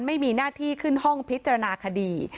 ไม่มีหน้าที่ขึ้นห้องพิจารณาคดี